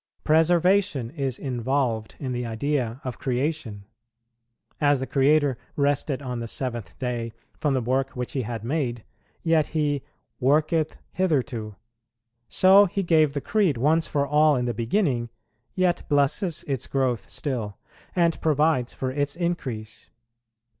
Preservation is involved in the idea of creation. As the Creator rested on the seventh day from the work which He had made, yet He "worketh hitherto;" so He gave the Creed once for all in the beginning, yet blesses its growth still, and provides for its increase.